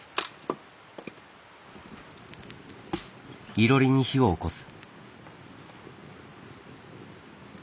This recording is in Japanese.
いろりに火をおこす。